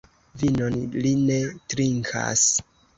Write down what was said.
Vinon li ne trinkas.